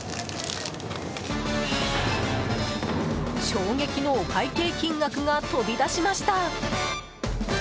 衝撃のお会計金額が飛び出しました。